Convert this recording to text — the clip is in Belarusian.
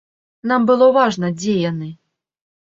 Нам было важна, дзе яны.